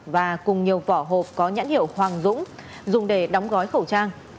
và cùng nhiều vỏ hộp có nhãn hiệu hoàng dũng dùng để đóng gói khẩu trang